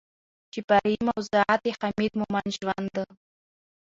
چې فرعي موضوعات يې حميد مومند ژوند